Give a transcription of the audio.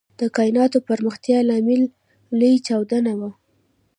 د کائناتو پراختیا لامل لوی چاودنه وه.